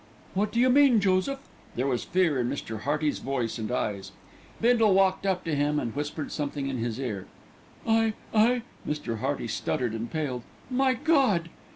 "What do you mean, Joseph?" There was fear in Mr. Hearty's voice and eyes. Bindle walked up to him and whispered something in his ear. "I I " Mr. Hearty stuttered and paled. "My God!"